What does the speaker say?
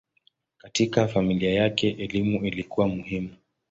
Katika familia yake elimu ilikuwa muhimu.